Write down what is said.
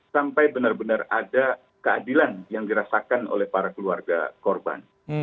sampai benar benar ada keadilan yang dirasakan oleh para keluarga korban